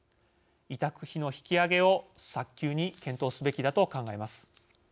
委託費の引き上げを早急に検討すべきだと考えます。